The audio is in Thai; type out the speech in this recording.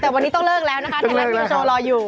แต่วันนี้ต้องเลิกแล้วนะคะไทยรัฐนิวโชว์รออยู่